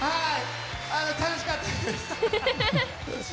楽しかったです！